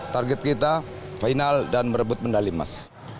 target kita final dan merebut medali emas